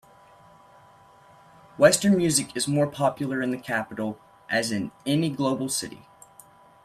Western music is more popular in the capital, as in any global city.